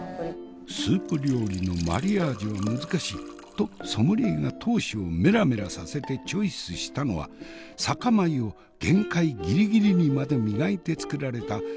「スープ料理のマリアージュは難しい」とソムリエが闘志をメラメラさせてチョイスしたのは酒米を限界ギリギリにまで磨いて造られた特別純米酒。